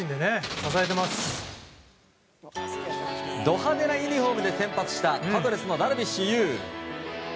ド派手なユニホームで先発したパドレスのダルビッシュ有。